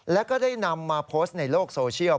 แล้วก็ได้นำมาโพสต์ในโลกโซเชียล